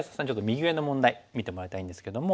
右上の問題見てもらいたいんですけども。